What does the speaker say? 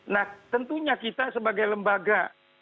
nah tentunya kita sebagai lembaga